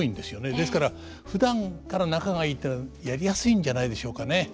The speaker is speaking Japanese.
ですからふだんから仲がいいっていうのはやりやすいんじゃないでしょうかね。